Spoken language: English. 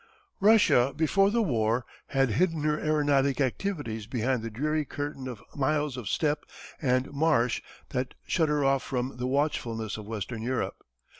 Russia before the war had hidden her aeronautic activities behind the dreary curtain of miles of steppe and marsh that shut her off from the watchfulness of Western Europe.